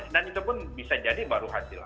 dan itu pun bisa jadi baru hasil